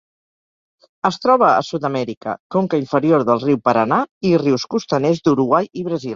Es troba a Sud-amèrica: conca inferior del riu Paranà i rius costaners d'Uruguai i Brasil.